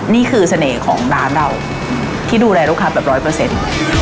นี่คือเสน่ห์ของร้านเราที่ดูแลลูกค้าแบบร้อยเปอร์เซ็นต์